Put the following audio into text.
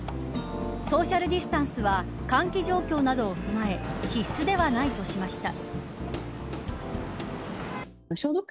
ソーシャルディスタンスは感染状況などを踏まえ必須ではないとしました。